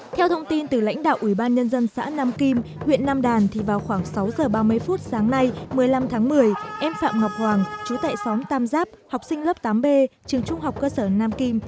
theo thông tin từ lãnh đạo ủy ban nhân dân xã nam kim huyện nam đàn thì vào khoảng sáu giờ ba mươi phút sáng nay một mươi năm tháng một mươi em phạm ngọc hoàng chú tại xóm tam giáp học sinh lớp tám b trường trung học cơ sở nam kim